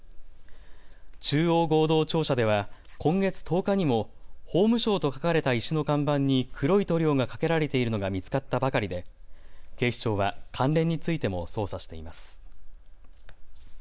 中央合同庁舎では今月１０日にも法務省と書かれた石の看板に黒い塗料がかけられているのが見つかったばかりで警視庁は関連についても捜査しています。